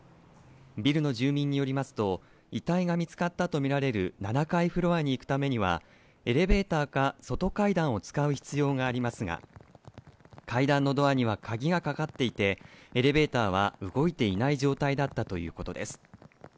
ビルの住民によりますと、遺体が見つかったと見られる７階フロアに行くためには、エレベーターか外階段を使う必要がありますが、階段のドアには鍵がかかっていて、エレベーターは動いていない状態だったということです。